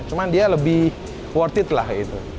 cuman dia lebih worth it lah itu